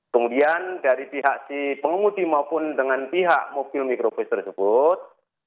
kemudian dari pihak si pengemudi maupun dengan pihak mobil mikrobus tersebut